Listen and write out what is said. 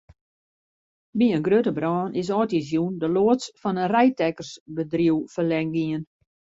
By in grutte brân is âldjiersjûn de loads fan in reidtekkersbedriuw ferlern gien.